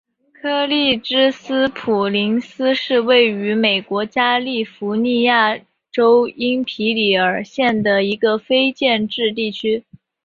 柯立芝斯普林斯是位于美国加利福尼亚州因皮里尔县的一个非建制地区。